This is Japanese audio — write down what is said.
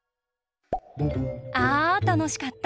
あたのしかった！